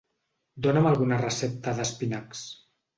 Dona'm alguna recepta d'espinacs.